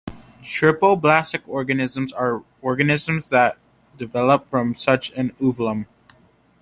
Triploblastic organisms are organisms that develop from such an ovum.